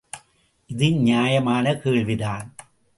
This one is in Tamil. இது நியாயமான கேள்விதான்.